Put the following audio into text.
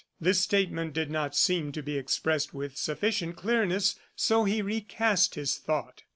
This statement did not seem to be expressed with sufficient clearness, so he recast his thought.